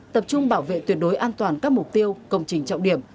tập trung bảo vệ tuyệt đối an toàn các mục tiêu công trình trọng điểm